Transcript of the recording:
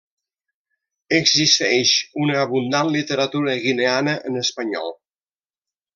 Existeix una abundant literatura guineana en espanyol.